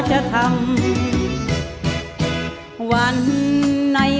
ใช้